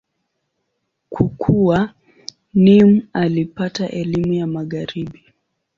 Kukua, Nimr alipata elimu ya Magharibi.